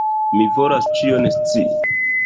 Mi volas ĉion scii!